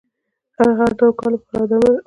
د هر ډول کار لپاره اماده وي.